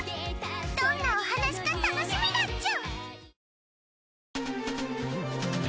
どんなお話か楽しみだっちゅ！